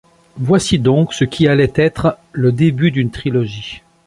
Voici donc ce qui allait être le début d’une trilogie.